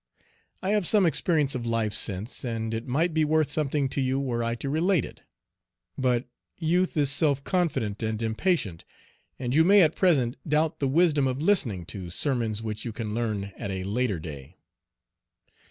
I have had some experience of life since, and it might be worth something to you were I to relate it. But youth is self confident and impatient, and you may at present doubt the wisdom of listening to sermons which you can learn at a later day.